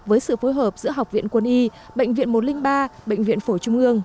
với sự phối hợp giữa học viện quân y bệnh viện một trăm linh ba bệnh viện phổi trung ương